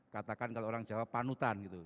katakan kalau orang jawa panutan gitu